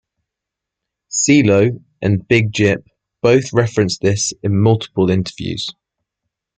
Cee-Lo and Big Gipp both referenced this in multiple interviews.